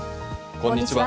こんにちは。